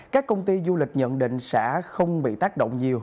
các công ty du lịch nhận định sẽ không bị tác động nhiều